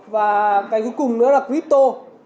và cái cuối cùng nữa là crypto